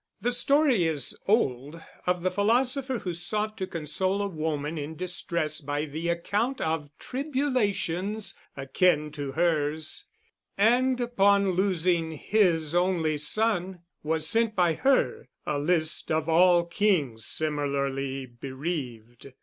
The story is old of the philosopher who sought to console a woman in distress by the account of tribulations akin to hers, and upon losing his only son was sent by her a list of all kings similarly bereaved.